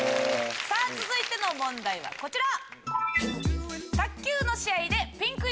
続いての問題はこちら。